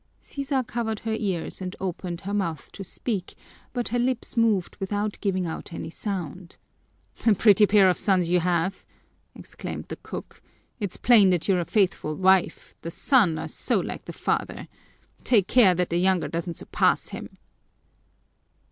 Sisa covered her ears and opened her mouth to speak, but her lips moved without giving out any sound. "A pretty pair of sons you have!" exclaimed the cook. "It's plain that you're a faithful wife, the sons are so like the father. Take care that the younger doesn't surpass him."